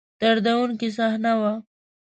دردوونکې صحنه وه.